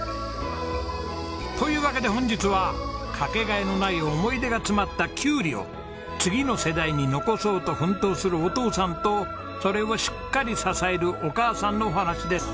というわけで本日はかけがえのない思い出が詰まったキュウリを次の世代に残そうと奮闘するお父さんとそれをしっかり支えるお母さんのお話です。